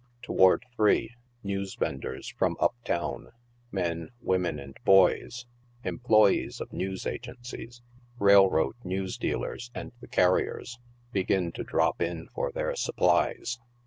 Toward three, news venders from up town — men, women and boys — employe's of news agencies, railroad news dealers and the carriers — begin to drop in for their supplies.